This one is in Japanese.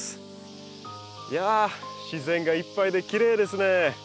いやあ自然がいっぱいできれいですね。